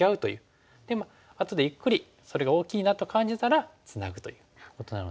であとでゆっくりそれが大きいなと感じたらツナぐということなので。